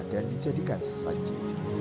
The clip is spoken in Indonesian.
dan dijadikan sesaji